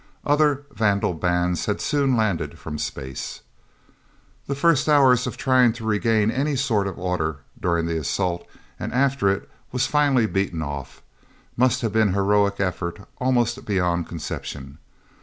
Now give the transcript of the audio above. Other vandal bands had soon landed from space. The first hours of trying to regain any sort of order, during the assault and after it was finally beaten off, must have been heroic effort almost beyond conception.